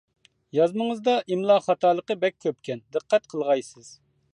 يازمىڭىزدا ئىملا خاتالىقى بەك كۆپكەن دىققەت قىلغايسىز.